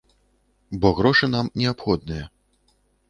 Бо грошы нам неабходныя.